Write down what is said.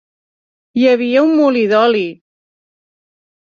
Hi havia un molí d'oli.